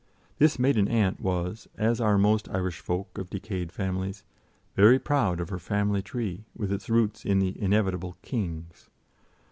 This maiden aunt was, as are most Irish folk of decayed families, very proud of her family tree with its roots in the inevitable "kings."